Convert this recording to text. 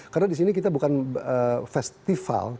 karena di sini kita bukan festival